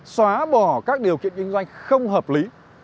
xóa bỏ các điều kiện kinh doanh không hợp lý